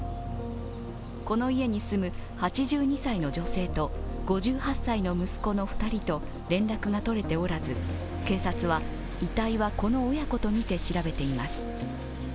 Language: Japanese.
この家に住む８２歳の女性と５８歳の息子の２人と連絡が取れておらず警察は遺体はこの親子とみて調べています。